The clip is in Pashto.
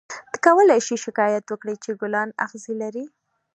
ته کولای شې شکایت وکړې چې ګلان اغزي لري.